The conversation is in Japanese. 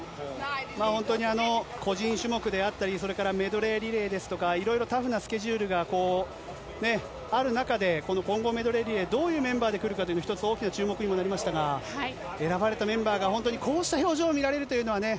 個人種目であったりメドレーリレーですとかいろいろタフなスケジュールがある中でこの混合メドレーリレーどういうメンバーでくるか１つ、大きな注目にもなりましたが選ばれたメンバーのこうした表情が見られるというのはね。